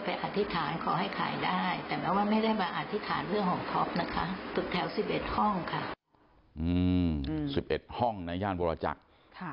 ราคาที่ดินย่านบรรจักษ์นี่